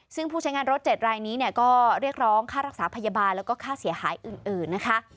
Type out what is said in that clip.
ซึ่งผู้ใช้งานรถ๗รายนี้ก็เรียกร้องค่ารักษาพยาบาลและค่าเสียหายอื่น